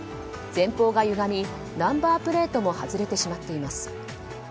前方がゆがみナンバープレートも外れてしまっています。